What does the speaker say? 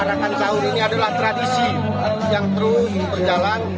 arakansahur ini adalah tradisi yang terus berjalan